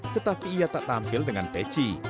tetapi ia tak tampil dengan peci